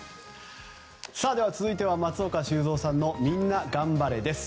続いては松岡修造さんのみんながん晴れです。